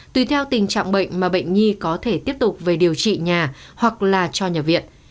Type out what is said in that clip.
tùy theo tình trạng bệnh mà bệnh nhi có thể tiếp tục về điều trị nhà hoặc là cho nhập viện